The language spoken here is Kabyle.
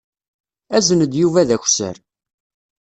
Azen-d Yuba d akessar.